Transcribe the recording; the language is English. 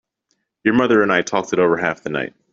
Your mother and I talked it over half the night.